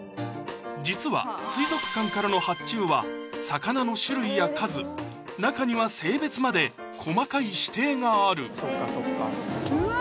実は水族館からの発注は魚の種類や数中には性別まで細かい指定があるうわ！